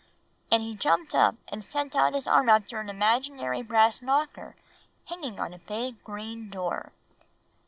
and he jumped up and sent out his arm after an imaginary brass knocker hanging on a big green door.